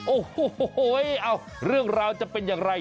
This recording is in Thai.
โอ้โหเอาเรื่องราวจะเป็นอย่างไร